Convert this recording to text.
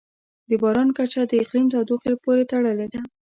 د باران کچه د اقلیم د تودوخې پورې تړلې ده.